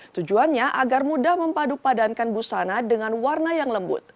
tujuannya agar mudah mempadu padankan busana dengan warna yang lembut